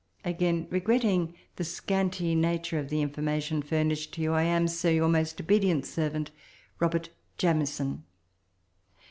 Again regretting the scanty nature of the information furnished to you, I am, Sir, Your most obedient sen r ant, ROB. JAMIESON.